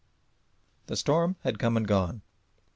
The storm had come and gone.